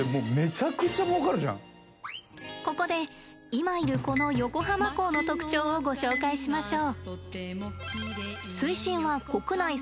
ここで今いるこの横浜港の特徴をご紹介しましょう。